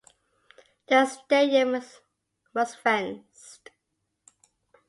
The stadium was fenced.